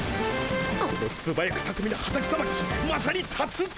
このすばやくたくみなハタキさばきまさに達人！